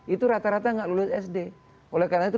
itu rata rata nggak lulus sd oleh karena itu